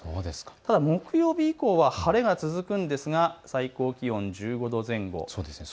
ただ木曜日以降は晴れが続くんですが最高気温１５度前後。